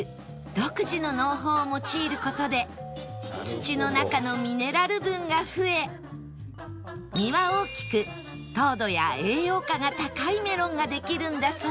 独自の農法を用いる事で土の中のミネラル分が増え実は大きく糖度や栄養価が高いメロンができるんだそう